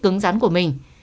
cứng rắn của mình